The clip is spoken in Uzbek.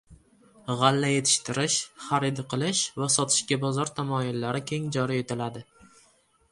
G‘alla yetishtirish, xarid qilish va sotishga bozor tamoyillari keng joriy etiladi